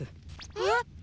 えっ？